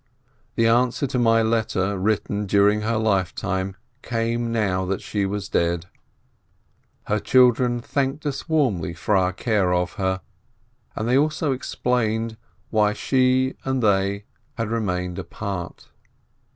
The answer to my letter written during her lifetime came now that she was dead. Her children thanked us warmly for our care of her, and they also explained why she and they had remained apart.